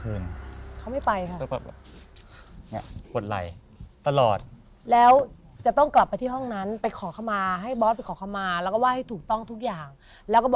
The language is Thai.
คุณจะแรกคุณบอกว่าเป็นอะไรตอนกลางคืน